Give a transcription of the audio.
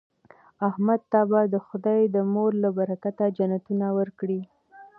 احمد ته به خدای د مور له برکته جنتونه ورکړي.